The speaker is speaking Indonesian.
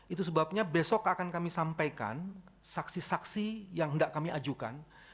itu sebabnya besok akan kami sampaikan saksi saksi yang hendak kami ajukan